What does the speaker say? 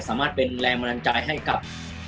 สามารถเป็นแรงบันดาลใจให้กับ